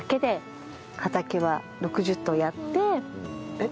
えっ？